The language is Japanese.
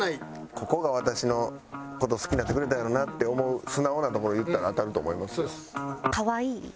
ここが私の事好きになってくれたんやろなって思う素直なところ言ったら当たると思いますよ。